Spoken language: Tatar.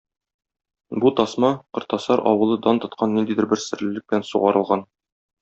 Бу тасма Кортасар авылы дан тоткан ниндидер бер серлелек белән сугарылган...